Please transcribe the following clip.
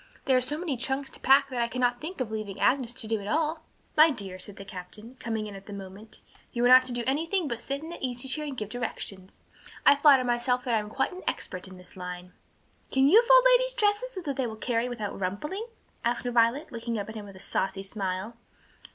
There are so many trunks to pack that I cannot think of leaving Agnes to do it all." "My dear," said the captain, coming in at that moment, "you are not to do anything but sit in that easy chair and give directions. I flatter myself that I am quite an expert in this line." "Can you fold ladies' dresses so that they will carry without rumpling?" asked Violet, looking up at him with a saucy smile.